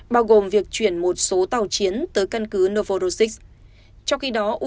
bao gồm việc chuyển một số tàu chiến tới căn cứ novorossiysk